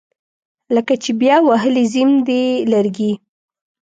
لکه چې بیا وهلي زیم دي لرګي